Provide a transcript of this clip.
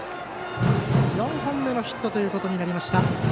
４本目のヒットということになりました。